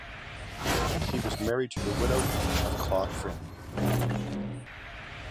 He was married to the widow of Claude Fremy.